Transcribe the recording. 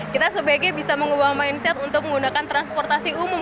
kita sebaiknya bisa mengubah mindset untuk menggunakan transportasi umum